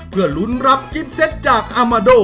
เพื่อลุ้นรับกิฟเซตจากอามาโด